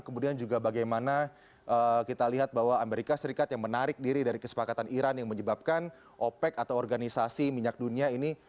kemudian juga bagaimana kita lihat bahwa amerika serikat yang menarik diri dari kesepakatan iran yang menyebabkan opec atau organisasi minyak dunia ini